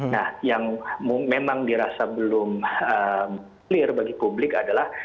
nah yang memang dirasa belum clear bagi publik adalah